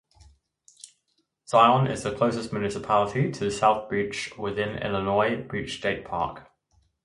Zion is the closest municipality to South Beach within Illinois Beach State Park.